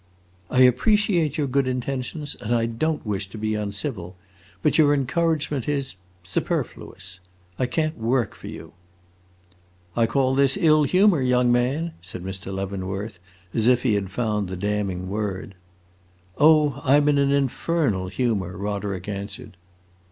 "I appreciate your good intentions, and I don't wish to be uncivil. But your encouragement is superfluous. I can't work for you!" "I call this ill humor, young man!" said Mr. Leavenworth, as if he had found the damning word. "Oh, I 'm in an infernal humor!" Roderick answered.